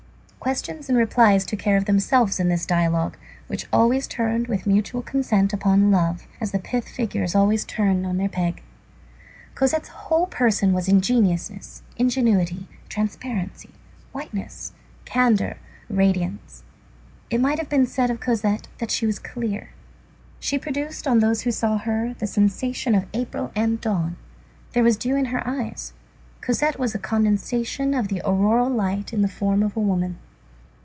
Questions and replies took care of themselves in this dialogue, which always turned with mutual consent upon love, as the little pith figures always turn on their peg. Cosette's whole person was ingenuousness, ingenuity, transparency, whiteness, candor, radiance. It might have been said of Cosette that she was clear. She produced on those who saw her the sensation of April and dawn. There was dew in her eyes. Cosette was a condensation of the auroral light in the form of a woman.